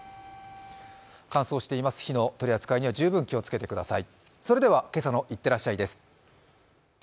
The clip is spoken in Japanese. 乾燥しています、火の取り扱いには十分気をつけてください。